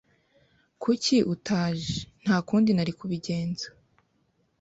"Kuki utaje?" "Nta kundi nari kubigenza."